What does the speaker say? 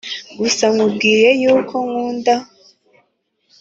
gusa nkubwiye yuko nkukunda